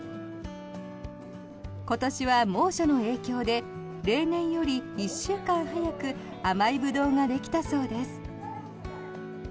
今年は猛暑の影響で例年より１週間早く甘いブドウができたそうです。